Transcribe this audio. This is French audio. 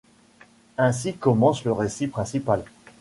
Ainsi commence le récit principal.